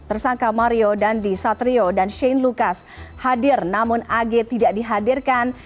tersangka mario dandi satrio dan shane lucas hadir namun ag tidak dihadirkan